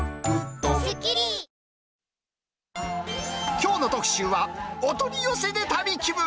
きょうの特集は、お取り寄せで旅気分。